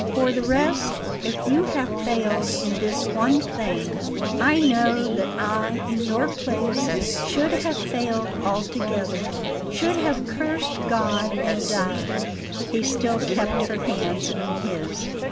For the rest if you have failed in this one thing, I know that I, in your place, should have failed altogether, should have cursed God and died." He still kept her hands in his.